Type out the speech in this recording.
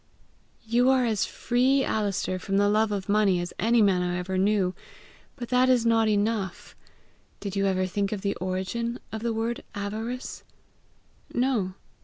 "You are as free, Alister, from the love of money, as any man I ever knew, but that is not enough. Did you ever think of the origin of the word AVARICE?" "No."